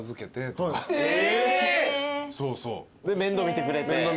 え！で面倒見てくれて。